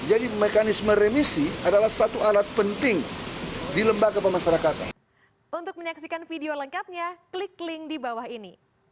jadi mekanisme remisi adalah satu alat penting di lembaga pemasarakatan